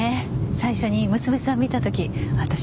最初に娘さん見た時私驚いたの。